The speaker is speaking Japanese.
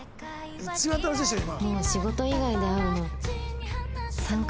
一番楽しいでしょ今。